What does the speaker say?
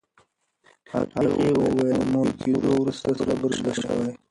هغې وویل، مور کېدو وروسته صبر زده شوی.